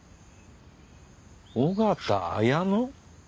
緒方綾乃？